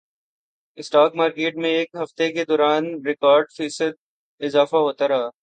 stock market میں ایک ہفتے کے دوران ریکارڈ فیصد اضافہ